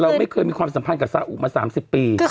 ไม่เคยมีความสัมพันธ์กับซาอุมา๓๐ปี